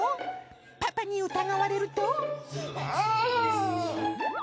パパに疑われると。